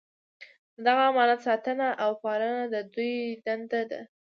د دغه امانت ساتنه او پالنه د دوی دنده ده.